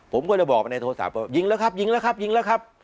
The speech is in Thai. ผมก็จะบอกไปในโทรศัพท์ว่ายิงแล้วครับยิงแล้วครับยิงแล้วครับ